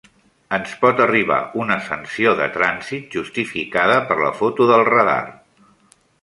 Ens pot arribar una sanció de trànsit justificada per la foto del radar.